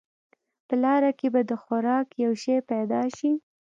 په لاره کې به د خوراک یو شی پیدا شي.